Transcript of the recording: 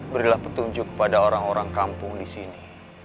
berilah petunjuk kepada orang orang kampung disini